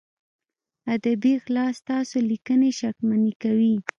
ادبي غلا ستاسو لیکنې شکمنې کوي.